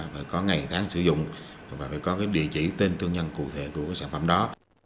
phải có ngày tháng sử dụng và phải có địa chỉ tên thương nhân cụ thể của sản phẩm đó